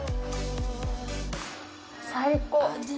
最高。